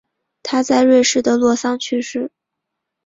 他在瑞士的洛桑去世。